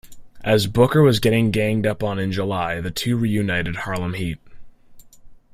As Booker was getting ganged up on in July, the two reunited Harlem Heat.